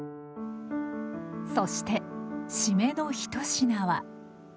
そして締めの一品は。